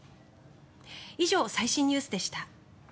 以上、最新ニュースでした。